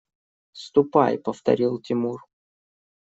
– Ступай, – повторил Тимур.